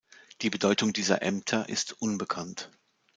Die Bedeutung dieser Ämter ist unbekannt.